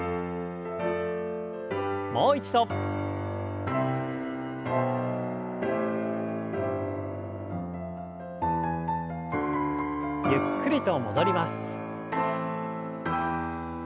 もう一度。ゆっくりと戻ります。